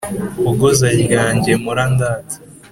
Hogoza ryanjye mpora ndata